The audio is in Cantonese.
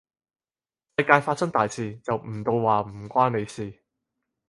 世界發生大事，就唔到話唔關你事